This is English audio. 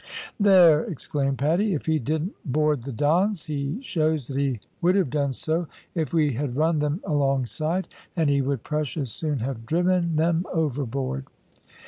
"There!" exclaimed Paddy, "if he didn't board the Dons he shows that he would have done so if we had run them alongside, and he would precious soon have driven them overboard."